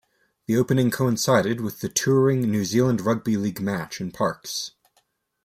The opening coincided with the touring New Zealand Rugby League match in Parkes.